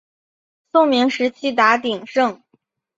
宋明时期达鼎盛。